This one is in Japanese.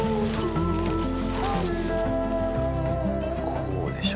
こうでしょ。